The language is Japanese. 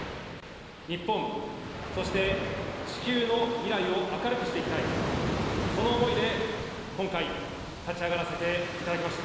日本、そして地球の未来を明るくしていきたい、その思いで、今回、立ち上がらせていただきました。